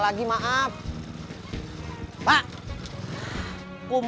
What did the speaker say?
hidih malah kabur